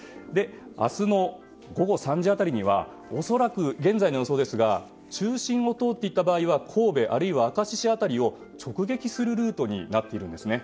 明日の午後３時辺りには恐らく、現在の予想ですが中心をとおっていった場合は神戸、あるいは明石市辺りを直撃するルートになっているんですね。